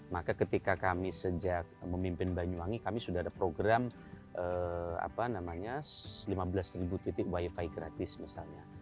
maka ketika kami sejak memimpin banyuwangi kami sudah ada program lima belas titik wifi gratis misalnya